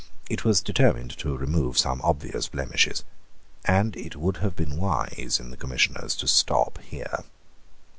It was determined to remove some obvious blemishes. And it would have been wise in the Commissioners to stop here.